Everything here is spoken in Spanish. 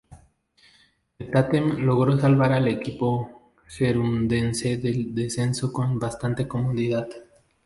El tándem logró salvar al equipo gerundense del descenso con bastante comodidad.